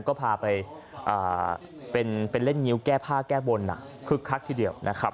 ก็พาไปเป็นเล่นงิ้วแก้ผ้าแก้บนครึ่งครั้งที่เดียว